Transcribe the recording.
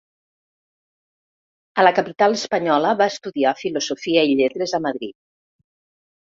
A la capital espanyola va estudiar Filosofia i Lletres a Madrid.